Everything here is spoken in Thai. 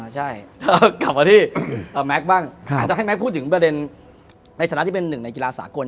ใช่กลับมาที่แม็กซ์บ้างอาจจะให้แก๊กพูดถึงประเด็นในฐานะที่เป็นหนึ่งในกีฬาสากล